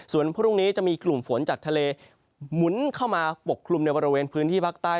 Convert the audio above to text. ส่วนพรุ่งนี้จะมีกลุ่มฝนจากทะเลหมุนเข้ามาปกคลุมในบริเวณพื้นที่ภาคใต้